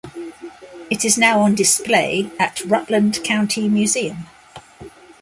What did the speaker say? It is now on display at Rutland County Museum.